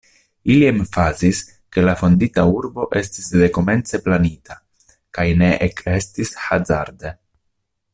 Ili emfazis, ke la fondita urbo estis dekomence planita kaj ne ekestis hazarde.